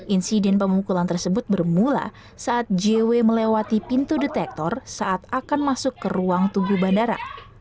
insiden pemukulan tersebut bermula saat jw melewati pintu detektor saat akan masuk ke ruang tunggu bandara